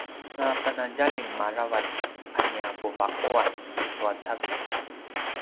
napenadjalim aravac a nia puva’uan tucu a cavilj